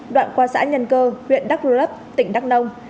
đoạn qua xã nhân cơ huyện đắk rô lấp tỉnh đắk nông